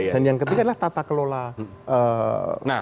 dan yang ketiga adalah tata kelola